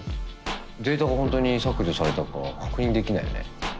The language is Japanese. データが本当に削除されたか確認できないよね。